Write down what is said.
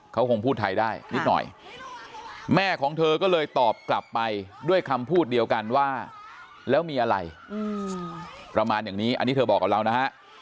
เขาคงพูดไทยได้นิดหน่อยแม่ของเธอก็เลยตอบกลับไปด้วยคำพูดเดียวกันว่าแล้วมีอะไรประมาณอย่างนี้อันนี้เธอบอกกับเรานะฮะ